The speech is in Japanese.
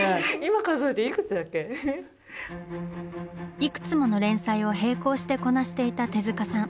いくつもの連載を並行してこなしていた手さん。